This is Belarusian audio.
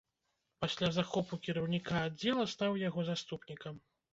Пасля захопу кіраўніка аддзела стаў яго заступнікам.